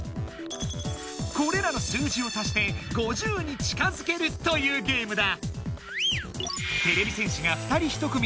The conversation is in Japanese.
これらの数字を足して５０に近づけるというゲームだ。